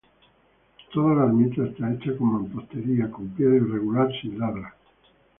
Toda la ermita está hecha en mampostería, con piedra irregular sin labra.